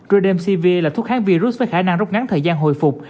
rademsevir là thuốc kháng virus với khả năng rút ngắn thời gian hồi phục